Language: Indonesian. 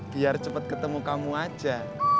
biar cepat ketemu kamu aja